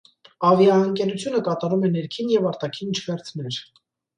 Ավիաընկերությունը կատարում է ներքին և արտաքին չվերթներ։